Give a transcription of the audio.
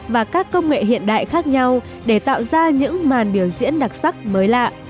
và các công nghệ hiện đại khác nhau để tạo ra những màn biểu diễn đặc sắc mới lạ